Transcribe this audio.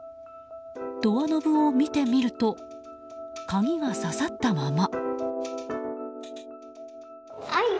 ドアノブを見てみると鍵が挿さったまま。